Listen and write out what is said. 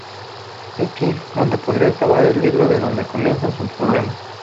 Y aquí, donde podría acabar el libro es donde comienzan sus problemas.